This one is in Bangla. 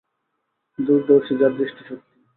দূরদর্শী যাঁর দৃষ্টিশক্তি।